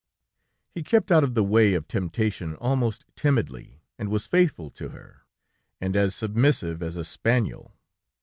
He kept out of the way of temptation almost timidly, and was faithful to her, and as submissive as a spaniel.